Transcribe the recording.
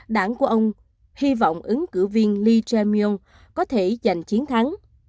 đảng của ông hy vọng ứng cử viên lee jae myung có thể giành chiến thắng